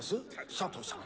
佐藤さん。